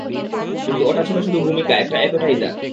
কিন্তু ওটা ছিল শুধু ভূমিকা, একটা এপেটাইজার।